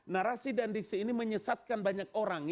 narasi dan diksi ini menyesatkan banyak orang